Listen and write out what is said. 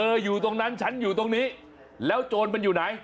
อยู่ตรงนั้นฉันอยู่ตรงนี้แล้วโจรมันอยู่ไหน